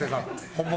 本物。